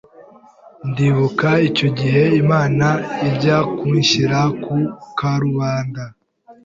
Ndibuka icyo gihe Imana ijya kunshyira ku karubanda